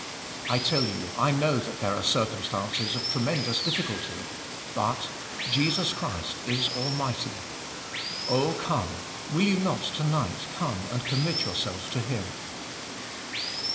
I tell you I know that there are circumstances of tremendous difficulty, but — Jesus Christ is almig hty. Oh come, will you not to nig^ht, come and commit yourself to Him?